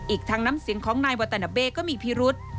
อีกทั้งน้ำเสียงของนายวาตานาเบ้ก็มีพิรุษ